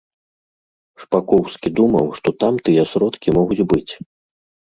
Шпакоўскі думаў, што там тыя сродкі могуць быць.